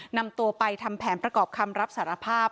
นำตัวไปทำแผนประกอบคำรับสารภาพ